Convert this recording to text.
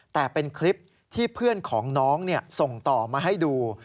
แต่เป็นคลิปที่เพื่อนของน้องส่งต่อมาให้ดู